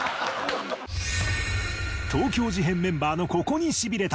「東京事変メンバーのココにシビれた」。